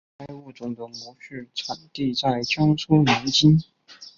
该物种的模式产地在江苏南京。